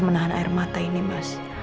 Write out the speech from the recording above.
menahan air mata ini mas